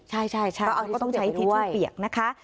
ใช่ก็ต้องใช้ทิชชู่เปียกนะคะ